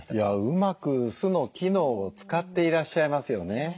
うまく酢の機能を使っていらっしゃいますよね。